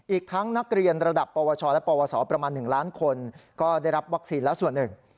อีกทั้งนักเรียนระดับปวชและปวสประมาณ๑ล้านคนก็ได้รับวัคซีนแล้วส่วนหนึ่ง